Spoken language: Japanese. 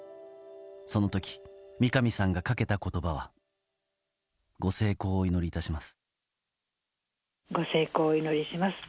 その時、三上さんがかけた言葉はご成功をお祈り致します。